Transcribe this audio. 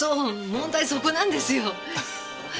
問題はそこなんですよ。